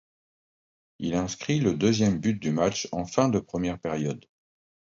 Il inscrit le deuxième but du match en fin de première période.